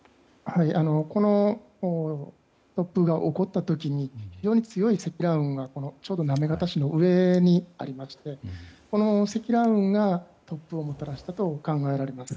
この突風が起こった時に非常に強い積乱雲がちょうど行方市の上にありましてこの積乱雲が突風をもたらしたと考えられます。